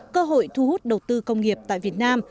cơ hội thu hút đầu tư công nghiệp tại việt nam